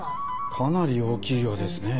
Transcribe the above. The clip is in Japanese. かなり大きいようですね。